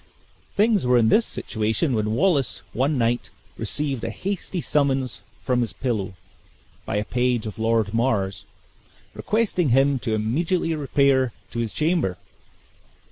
Things were in this situation when Wallace, one night, received a hasty summons from his pillow by a page of Lord Mar's, requesting him to immediately repair to his chamber.